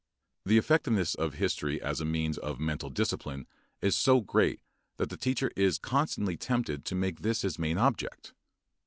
The effectiveness of history as a means of mental discipline is so great that the teacher is constantly tempted to make this his main object.